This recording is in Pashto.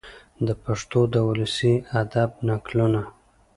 د پښتو د ولسي ادب نکلونه،